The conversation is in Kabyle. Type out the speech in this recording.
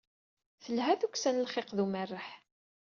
Telha tukksa n lxiq d umerreḥ.